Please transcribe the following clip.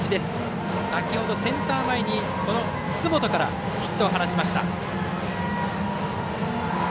先ほどセンター前に楠本からヒットを放ちました。